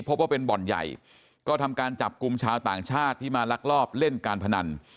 พบว่าเป็นบ่อนใหญ่ก็ทำการจับกลุ่มชาวต่างชาติที่มาลักลอบเล่นการพนัน